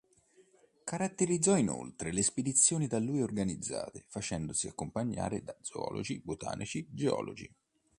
Caratterizzò inoltre le spedizioni da lui organizzate facendosi accompagnare da zoologi, botanici, geologi.